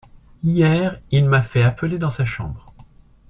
Hier, il m'a fait appeler dans sa chambre.